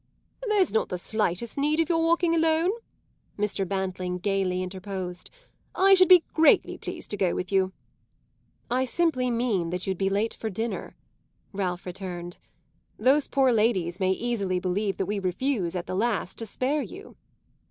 "There's not the slightest need of your walking alone," Mr. Bantling gaily interposed. "I should be greatly pleased to go with you." "I simply meant that you'd be late for dinner," Ralph returned. "Those poor ladies may easily believe that we refuse, at the last, to spare you."